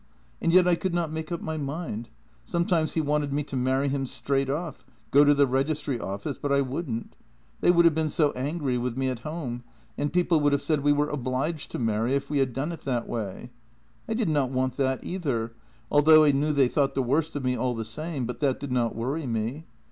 And yet I could not make up my mind. Some times he wanted me to marry him straight off, go to the registry office, but I wouldn't. They would have been so angry with me at home, and people would have said we were obliged to marry, if we had done it that way. I did not want that either, although I knew they thought the worst of me all the same, but that did not worry me.